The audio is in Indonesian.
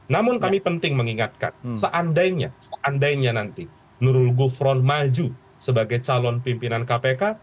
namun kami penting mengingatkan seandainya seandainya nanti nurul gufron maju sebagai calon pimpinan kpk